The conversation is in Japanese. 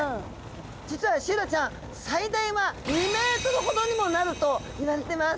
実はシイラちゃん最大は２メートルほどにもなるといわれてます。